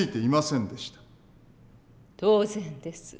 当然です。